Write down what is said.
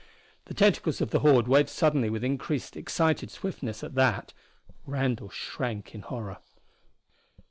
The tentacles of the horde waved suddenly with increased, excited swiftness at that. Randall shrank in horror.